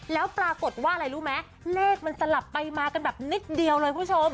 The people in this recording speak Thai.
แล้วปรากฏว่าอะไรรู้ไหมเลขมันสลับไปมากันแบบนิดเดียวเลยคุณผู้ชม